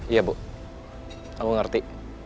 iya bu aku ngerti